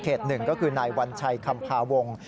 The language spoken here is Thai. เขตหนึ่งก็คือนายวัญชัยคำพาวง